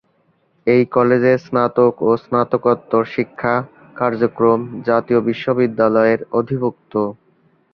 এই কলেজের স্নাতক ও স্নাতকোত্তর শিক্ষা কার্যক্রম জাতীয় বিশ্ববিদ্যালয়-এর অধিভুক্ত।